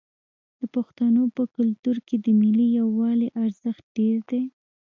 د پښتنو په کلتور کې د ملي یووالي ارزښت ډیر دی.